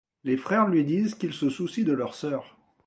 Les frères lui disent qu'ils se soucient de leur sœur.